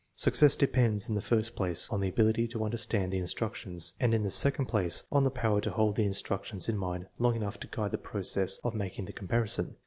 Success depends, in the first place, on the ability to understand the instructions; and in the second place, on the power to hold the instructions in mind long enough to guide the process of making the comparison.